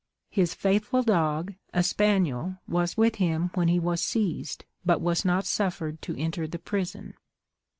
His faithful dog, a spaniel, was with him when he was seized, but was not suffered to enter the prison.